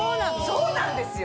そうなんですよ